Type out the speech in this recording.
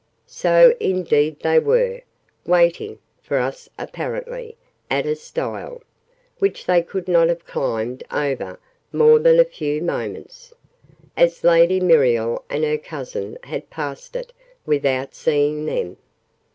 So indeed they were: waiting (for us, apparently) at a stile, which they could not have climbed over more than a few moments, as Lady Muriel and her cousin had passed it without seeing them.